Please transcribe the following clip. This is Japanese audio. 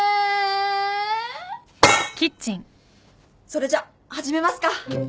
それじゃ始めますか。